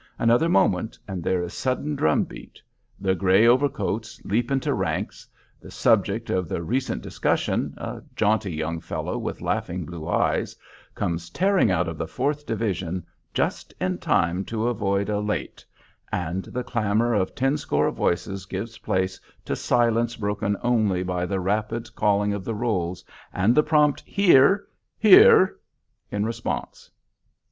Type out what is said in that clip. Another moment and there is sudden drum beat; the gray overcoats leap into ranks; the subject of the recent discussion a jaunty young fellow with laughing blue eyes comes tearing out of the fourth division just in time to avoid a "late," and the clamor of tenscore voices gives place to silence broken only by the rapid calling of the rolls and the prompt "here" "here," in response.